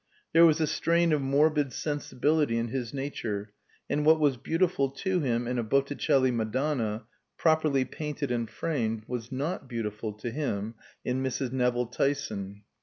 There was a strain of morbid sensibility in his nature, and what was beautiful to him in a Botticelli Madonna, properly painted and framed, was not beautiful to him in Mrs. Nevill Tyson.